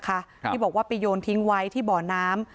นะคะครับบอกว่าไปโยนทิ้งไว้ที่บ่อน้ำ